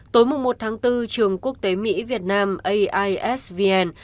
tối một tháng bốn trường quốc tế mỹ việt nam aisvn